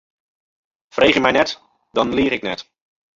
Freegje my net, dan liich ik net.